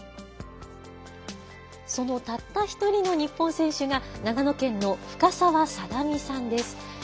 そのたった一人の日本選手が長野県の深沢定美さんです。